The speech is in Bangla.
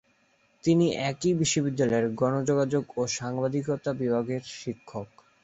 তিনি একই বিশ্ববিদ্যালয়ের গণযোগাযোগ ও সাংবাদিকতা বিভাগের শিক্ষক।